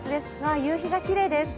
夕日がきれいです。